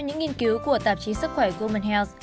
theo những nghiên cứu của tạp chí sức khỏe woman health